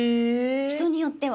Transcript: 人によっては。